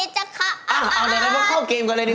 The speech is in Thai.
ใจ